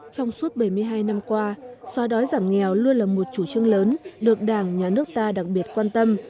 trong suốt bảy mươi hai năm qua xóa đói giảm nghèo luôn là một chủ trương lớn được đảng nhà nước ta đặc biệt quan tâm